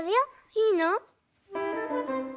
いいの？